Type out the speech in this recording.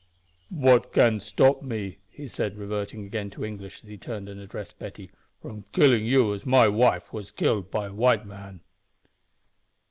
"What can stop me," he said, reverting again to English as he turned and addressed Betty, "from killing you as my wife was killed by white man?"